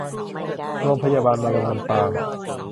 โรงพยาบาลมะเร็งลำปาง